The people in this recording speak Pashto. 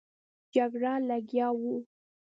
جګړه لګیا وو.